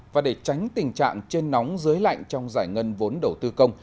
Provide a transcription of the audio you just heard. và để tránh tình trạng trên nóng dưới lạnh trong giải ngân vốn đầu tư công